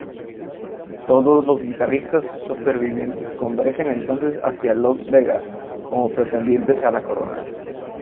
Todos los guitarristas supervivientes convergen entonces hacia Lost Vegas como pretendientes a la corona.